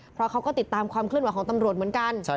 เพราะเขาก็ติดตามความเคลื่อนไหวของตำรวจเหมือนกัน